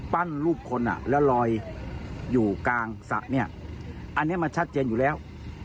รูปคนแล้วลอยอยู่กลางสระเนี่ยอันนี้มันชัดเจนอยู่แล้ว